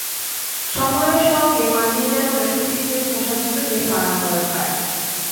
সময়ের সঙ্গে মানিয়ে যায় বলে সুতির তৈরি পোশাকগুলোই বেশি আরামদায়ক হয়।